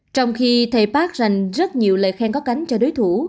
trong khi thầy park dành rất nhiều lời khen có cánh cho đối thủ